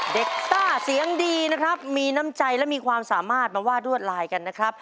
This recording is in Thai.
ต้าเสียงดีนะครับมีน้ำใจและมีความสามารถมาวาดรวดลายกันนะครับ